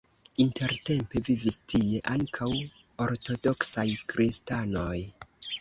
Intertempe vivis tie ankaŭ ortodoksaj kristanoj.